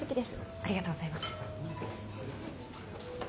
ありがとうございます。